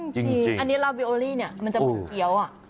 จริงอันนี้ลาววิโอรี่เนี่ยมันจะมุกเกียวอ่ะ